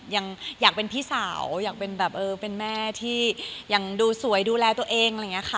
อยากเป็นพี่สาวอยากเป็นแบบเออเป็นแม่ที่ยังดูสวยดูแลตัวเองอะไรอย่างนี้ค่ะ